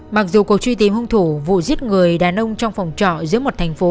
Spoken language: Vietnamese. mặc dù cuộc truy tìm hung thủ vụ giết người đàn ông trong phòng trọ giữa một thành phố